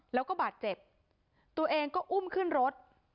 แล้วก็บาดเจ็บตัวเองก็อุ้มขึ้นรถ